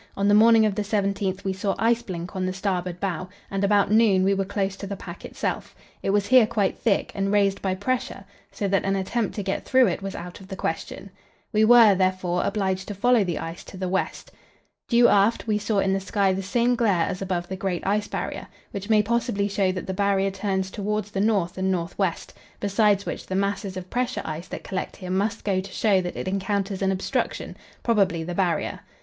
On the morning of the 17th we saw ice blink on the starboard bow, and about noon we were close to the pack itself; it was here quite thick, and raised by pressure, so that an attempt to get through it was out of the question. We were, therefore, obliged to follow the ice to the west. Due aft we saw in the sky the same glare as above the great Ice Barrier, which may possibly show that the Barrier turns towards the north and north west; besides which, the masses of pressure ice that collect here must go to show that it encounters an obstruction, probably the Barrier.